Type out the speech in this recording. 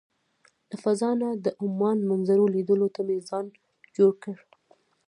له فضا نه د عمان منظرو لیدلو ته مې ځان جوړ کړ.